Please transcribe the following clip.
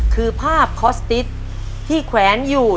ปีหน้าหนูต้อง๖ขวบให้ได้นะลูก